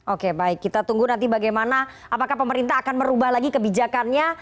oke baik kita tunggu nanti bagaimana apakah pemerintah akan merubah lagi kebijakannya